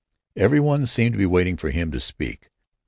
Every one seemed to be waiting for him to speak.